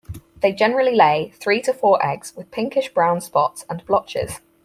They generally lay three to four eggs with pinkish brown spots and blotches.